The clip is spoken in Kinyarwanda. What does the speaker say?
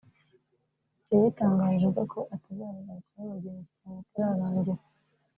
mu gihe yitangarije ubwe ko atazarugarukamo mu gihe imishyikirano itararangira